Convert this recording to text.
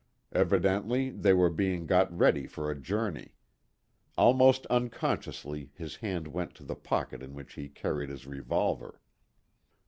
Evidently they were being got ready for a journey. Almost unconsciously his hand went to the pocket in which he carried his revolver.